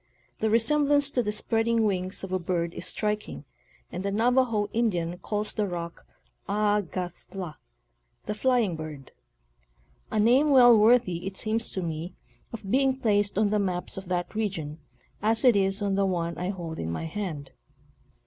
'The resemblance to the spreading wings of a bird is striking, and the Navajo Indian calls the rock " A ga thla "—the " Flying Bird." A name well worthy, it seems to me, of being placed on the maps of that region, as it is on the one I hold in my hand.